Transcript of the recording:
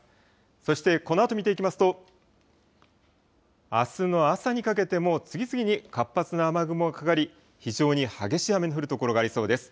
そしてこのあと見ていきますと、あすの朝にかけても次々に活発な雨雲がかかり、非常に激しい雨の降る所がありそうです。